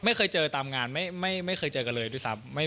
ไม่เคยเจอตามงานไม่เคยเจอกันเลยด้วยซ้ำ